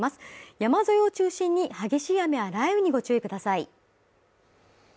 山沿いを中心に激しい雨や雷雨にご注意ください。